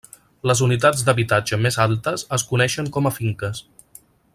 Les unitats d'habitatge més altes es coneixen com a finques.